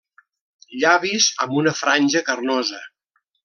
Llavis amb una franja carnosa.